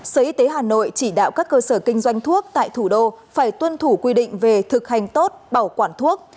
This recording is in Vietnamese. sở y tế hà nội chỉ đạo các cơ sở kinh doanh thuốc tại thủ đô phải tuân thủ quy định về thực hành tốt bảo quản thuốc